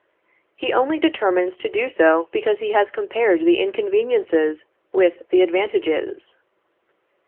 He only determines to do so because he has compared the inconveniences with the advantages.